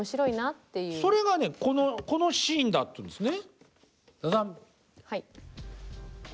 それがねこのシーンだっていうんですね。